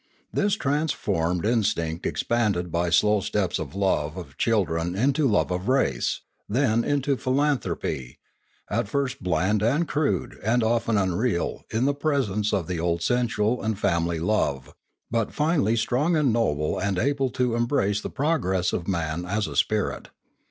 This transformed instinct expanded by slow steps love of children into love of race, then into philanthropy, at first bland and crude and often unreal in the presence of the old sensual and family love, but finally strong and noble and able to embrace the progress of man as a spirit.